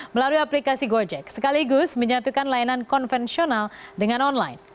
melalui aplikasi gojek sekaligus menyatukan layanan konvensional dengan online